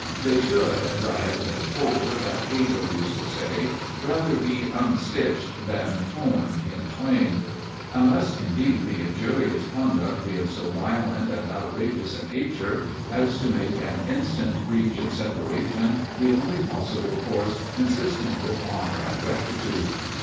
They should, as I have been told that Cato used to say, rather be unstitched than torn in twain; unless, indeed, the injurious conduct be of so violent and outrageous a nature as to make an instant breach and separation the only possible course consistent with honour and rectitude.